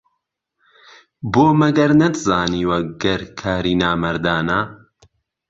بۆ مهگهر نهتزانیوه گهر کاری نامهردانه